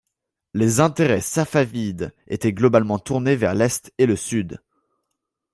Les intérêts safavides étaient globalement tournés vers l'Est et le Sud.